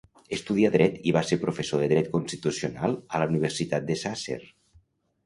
Estudià dret i va ser professor de Dret Constitucional a la Universitat de Sàsser.